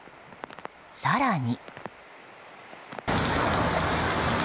更に。